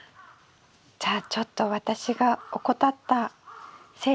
じゃあちょっと私が怠ったせいですね。